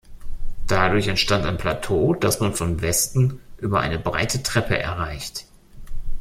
Dadurch entstand ein Plateau, das man von Westen über eine breite Treppe erreicht.